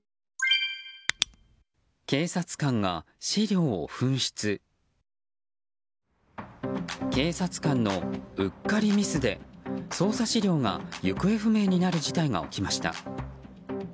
警察官のうっかりミスで捜査資料が行方不明になる事態が起きました。